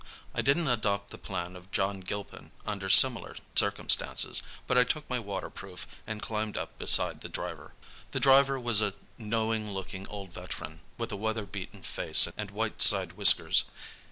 I didn't adopt the plan of John Gilpin under similar circumstances, but I took my waterproof and climbed up beside the driver. This driver was a knowing looking old veteran, with a weather beaten face and white side whiskers.